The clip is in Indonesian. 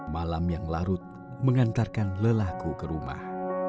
malam yang larut mengantarkan lelahku ke rumah